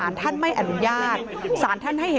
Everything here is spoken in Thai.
จนสนิทกับเขาหมดแล้วเนี่ยเหมือนเป็นส่วนหนึ่งของครอบครัวเขาไปแล้วอ่ะ